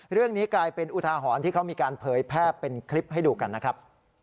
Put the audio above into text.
เรื่องนี้กลายเป็นอุทาหรณ์ที่เขามีการเผยแพร่เป็นคลิปให้ดูกันนะครับ